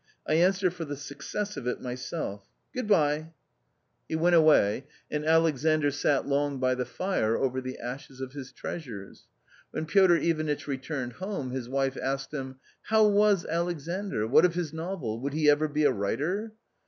I answer for the success of it myself. Good bye." A COMMON STORY 171 He went away, and Alexandr sat long by the fire over the ashes of his treasures. When Piotr Ivanitch returned home, his wife asked him :" How was Alexandr, what of his novel, would he ever be a writer